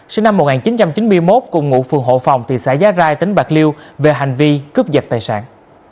sinh năm một nghìn chín trăm chín mươi một cùng ngụ phường hộ phòng thị xã giá rai tỉnh bạc liêu về hành vi cướp giật tài sản